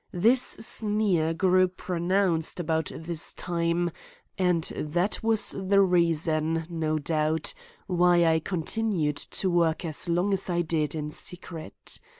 This sneer grew pronounced about this time, and that was the reason, no doubt, why I continued to work as long as I did in secret.